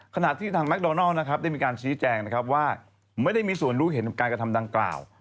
ขนาดที่ทางแมคโดนัลได้มีการชี้แจงว่าไม่ได้มีส่วนรู้เห็นการกระทำดังกล่าว